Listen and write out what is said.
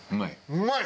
うまい！